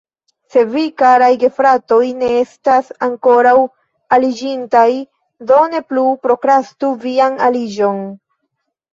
Se vi, karaj gefratoj, ne estas ankoraŭ aliĝintaj, do ne plu prokrastu vian aliĝon.